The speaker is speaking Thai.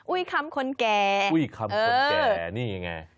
อุ๊ยคำคนแก่เอออุ๊ยคำคนแก่นี่ไง